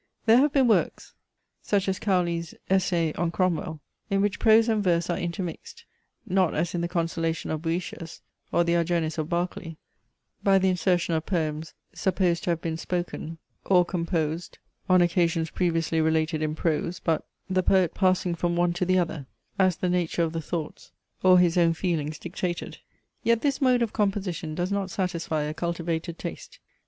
There have been works, such as Cowley's Essay on Cromwell, in which prose and verse are intermixed (not as in the Consolation of Boetius, or the ARGENIS of Barclay, by the insertion of poems supposed to have been spoken or composed on occasions previously related in prose, but) the poet passing from one to the other, as the nature of the thoughts or his own feelings dictated. Yet this mode of composition does not satisfy a cultivated taste.